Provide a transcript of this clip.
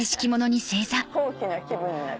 高貴な気分になって。